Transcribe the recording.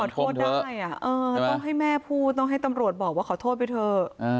โทษได้ต้องให้แม่พูดต้องให้ตำรวจบอกว่าขอโทษไปเถอะ